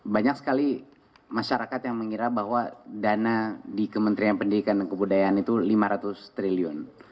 banyak sekali masyarakat yang mengira bahwa dana di kementerian pendidikan dan kebudayaan itu lima ratus triliun